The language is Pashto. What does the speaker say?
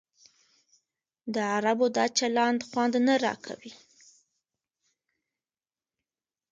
د عربو دا چلند خوند نه راکوي.